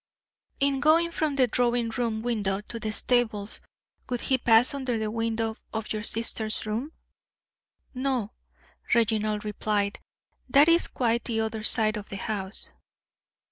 "In going from the drawing room window to the stables, would he pass under the window of your sister's room?" "No," Reginald replied. "That is quite the other side of the house."